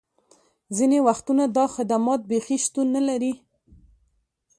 ځینې وختونه دا خدمات بیخي شتون نه لري